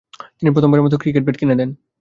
তিনি প্রথমবারের মতো ক্রিকেট ব্যাট কিনে দেন।